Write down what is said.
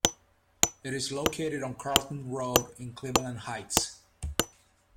It is located on Carlton Road in Cleveland Heights.